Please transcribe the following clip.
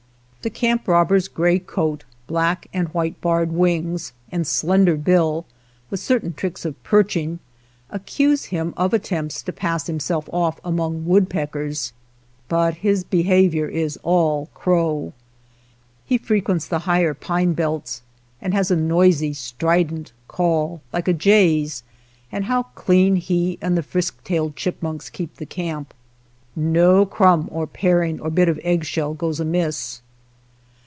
The Camp Robber's gray coat, black and white barred wings, and slender bill, with certain tricks of perching, accuse him of attempts to pass himself off among woodpeckers ; but his behavior is all crow. He frequents the higher pine belts, and has a noisy strident call like a jay's, and how clean he and the frisk tailed chipmunks keep the camp! No crumb or paring or bit of eggshell goes amiss.